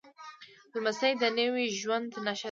لمسی د نوي ژوند نښه ده.